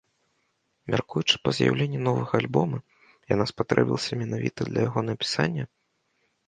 Мяркуючы па з'яўленні новага альбома, яна спатрэбілася менавіта для яго напісання?